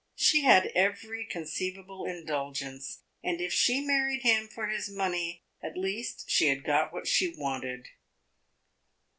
She had every conceivable indulgence, and if she married him for his money, at least she had got what she wanted.